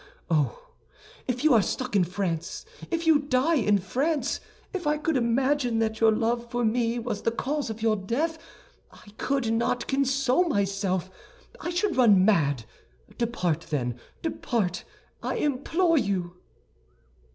Oh, if you are struck in France, if you die in France, if I could imagine that your love for me was the cause of your death, I could not console myself; I should run mad. Depart then, depart, I implore you!"